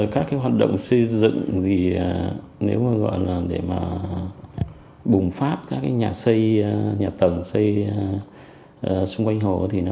các hoạt động xây dựng để bùng phát các nhà tầng xây xung quanh hồ